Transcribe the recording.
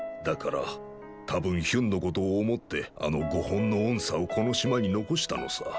だから多分ヒュンの事を思ってあの５本の音叉をこの島に残したのさ。